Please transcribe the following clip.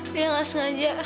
dia nggak sengaja